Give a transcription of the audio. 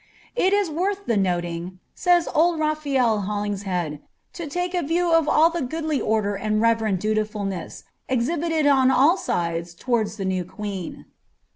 ^ It is worth the noting," says old Raphael Holingshead, ^ to take a Tiew of all the goodly order and reverend dutifulness exhibited on all aides, towards the new queen.